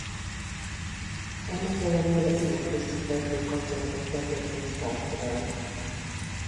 Ennek ellenére élethosszig tartó kapcsolatot tartott fenn Sartre-ral.